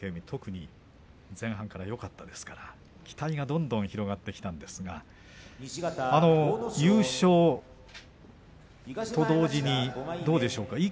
特に前半からよかったですから期待がどんどん広がってきたんですが優勝と同時にどうでしょうか